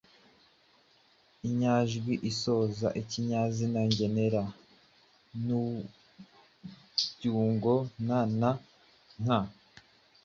Inyajwi zisoza ikinyazina ngenera n’ibyungo “na” na “nka”